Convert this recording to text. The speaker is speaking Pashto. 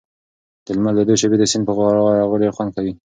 د لمر لوېدو شېبې د سیند پر غاړه ډېر خوند کوي.